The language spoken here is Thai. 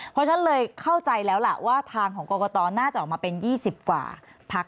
เพราะฉะนั้นเลยเข้าใจแล้วล่ะว่าทางของกรกตน่าจะออกมาเป็น๒๐กว่าพัก